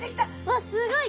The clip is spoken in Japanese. わっすごい！